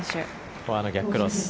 フォアの逆クロス。